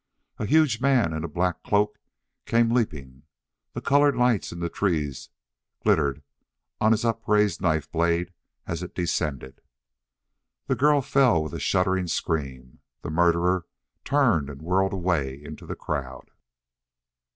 A huge man in a black cloak came leaping. The colored lights in the trees glittered on his upraised knife blade as it descended. The girl fell with a shuddering scream. The murderer turned and whirled away into the crowd.